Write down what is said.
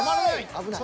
危ない。